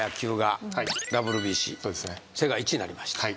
世界１位になりました。